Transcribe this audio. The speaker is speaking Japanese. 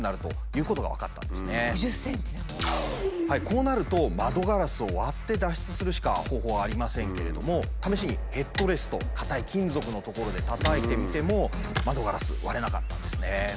こうなると窓ガラスを割って脱出するしか方法はありませんけれども試しにヘッドレスト硬い金属の所でたたいてみても窓ガラス割れなかったんですね。